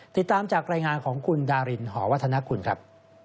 ติดตามจากรายงานของคุณดารินหอวัฒนกุลครับ